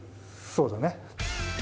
そうだね。